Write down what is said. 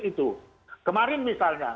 itu kemarin misalnya